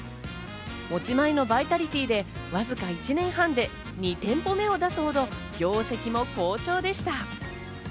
持ち前のバイタリティーでわずか１年半で２店舗目を出すほど、業績も好調でした。